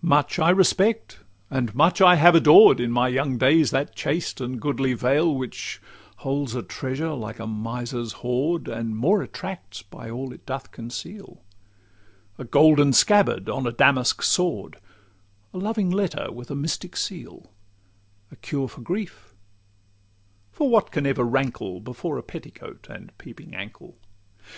Much I respect, and much I have adored, In my young days, that chaste and goodly veil, Which holds a treasure, like a miser's hoard, And more attracts by all it doth conceal— A golden scabbard on a Damasque sword, A loving letter with a mystic seal, A cure for grief—for what can ever rankle Before a petticoat and peeping ankle?